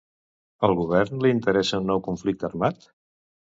Al govern li interessa un nou conflicte armat?